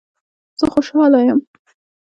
زه خوشحاله یم